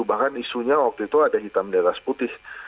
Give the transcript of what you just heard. bahkan isunya waktu itu ada hitam di atas putih